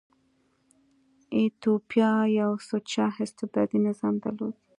ایتوپیا یو سوچه استبدادي نظام درلود.